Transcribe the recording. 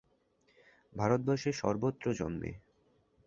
ভারতবর্ষের সর্বত্র জন্মে।